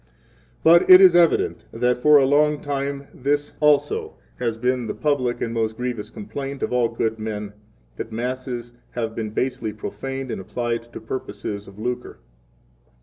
10 But it is evident that for a long time this also has been the public and most grievous complaint of all good men that Masses have been basely profaned and applied to purposes of lucre.